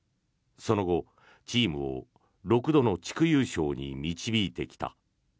その後、チームを６度の地区優勝に導いてきた。